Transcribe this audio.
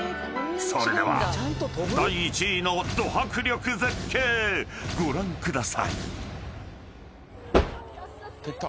［それでは第１位のド迫力絶景ご覧ください］いったいった。